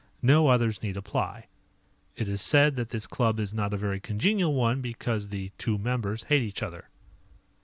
No others need apply. It is said that this club is not a very congenial one because the two members hate each other.